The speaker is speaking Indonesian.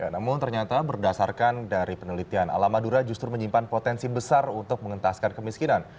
namun ternyata berdasarkan dari penelitian ala madura justru menyimpan potensi besar untuk mengentaskan kemiskinan